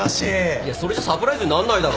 いやそれじゃサプライズになんないだろ。